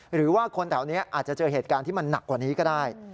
หรือว่าคนแถวนี้อาจจะเจอเหตุการณ์ที่มันหนักกว่านี้ก็ได้